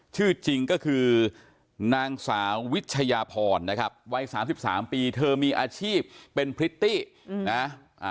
ชื่อจริงก็คือนางสาววิชยาพรนะครับวัยสามสิบสามปีเธอมีอาชีพเป็นพริตตี้นะ